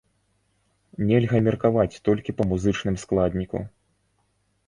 Нельга меркаваць толькі па музычным складніку.